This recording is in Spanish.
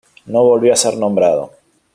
No volvió a ser nombrado.